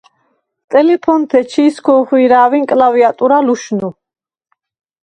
ტელეფონთე ჩი̄სქო̄ხუ̂ი̄რა̄̈უ̂ინ კლავიატურა "ლუშნუ".